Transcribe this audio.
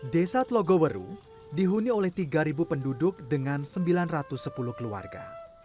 desa tlogoweru dihuni oleh tiga penduduk dengan sembilan ratus sepuluh keluarga